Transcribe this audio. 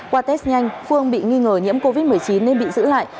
qua test nhanh phương bị nghi ngờ nhiễm covid một mươi chín nên bị giữ lại